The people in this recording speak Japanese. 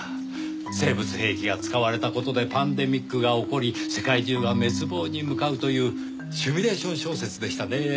生物兵器が使われた事でパンデミックが起こり世界中が滅亡に向かうというシミュレーション小説でしたね。